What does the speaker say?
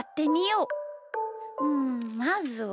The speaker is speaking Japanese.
うんまずは。